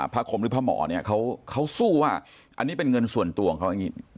คมหรือพระหมอเนี่ยเขาสู้ว่าอันนี้เป็นเงินส่วนตัวของเขาอย่างนี้